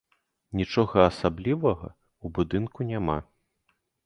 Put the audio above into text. Нічога асаблівага ў будынку няма.